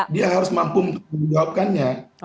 dia harus mampu menjawabkannya